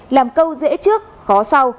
làm câu dễ trước khó sau